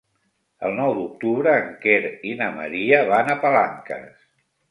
El nou d'octubre en Quer i na Maria van a Palanques.